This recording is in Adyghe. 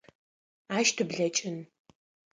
Ащ тыблэкӏын.